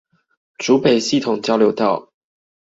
竹北系統交流道